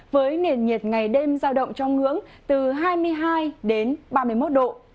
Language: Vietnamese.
với nền nhiệt ngày đêm giao động trong ngưỡng từ hai mươi hai đến ba mươi một độ